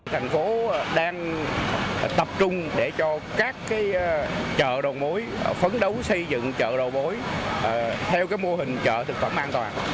thành phố đang tập trung để cho các chợ đầu mối phấn đấu xây dựng chợ đầu mối theo mô hình chợ thực phẩm an toàn